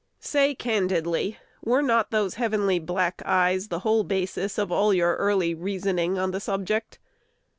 Say candidly, were not those heavenly black eyes the whole basis of all your early reasoning on the subject?